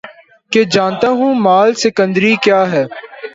کہ جانتا ہوں مآل سکندری کیا ہے